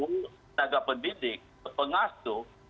tenaga pendidik pengasuh